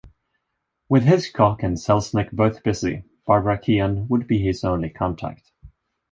With Hitchcock and Selznick both busy, Barbara Keon would be his only contact.